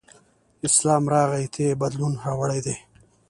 اسلام راغی ته یې بدلون راوړی دی.